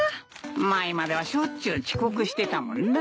前まではしょっちゅう遅刻してたもんな。